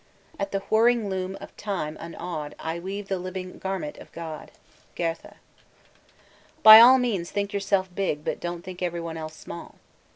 'At the whirring loom of time unawed I weave the living garment of God.' GOETHE. By all means think yourself big but don't think everyone else small!